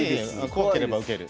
怖ければ受ける。